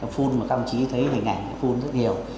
phun mà các bạn chỉ thấy hình ảnh phun rất nhiều